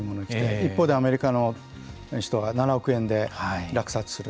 一方でアメリカの人が７億円で落札する。